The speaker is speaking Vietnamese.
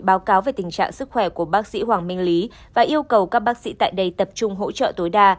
báo cáo về tình trạng sức khỏe của bác sĩ hoàng minh lý và yêu cầu các bác sĩ tại đây tập trung hỗ trợ tối đa